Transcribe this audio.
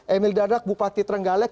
emil dadak bupati trenggalek